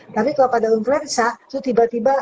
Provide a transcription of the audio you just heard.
tapi kalau pada influenza itu tiba tiba